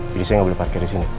jadi saya nggak boleh parkir di sini